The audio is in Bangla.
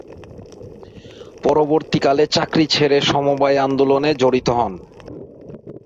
পরবর্তীকালে চাকরি ছেড়ে সমবায় আন্দোলনে জড়িত হন।